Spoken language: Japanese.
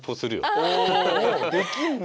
できんの？